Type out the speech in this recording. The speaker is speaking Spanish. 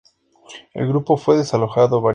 El grupo fue desalojado varias veces.